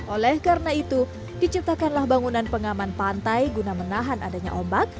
oleh karena itu diciptakanlah bangunan pengaman pantai guna menahan adanya ombak